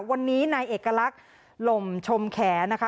วันนี้นายเอกลักษณ์หล่มชมแขนนะคะ